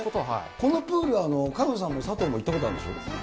このプールは、萱野さんもザニーさんも行ったことあるんでしょ。